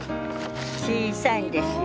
小さいんですよ